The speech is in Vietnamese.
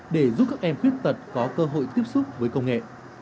để giúp các em khuyết tật có cơ hội tiếp xúc với công nghệ